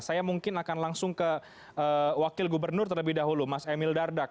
saya mungkin akan langsung ke wakil gubernur terlebih dahulu mas emil dardak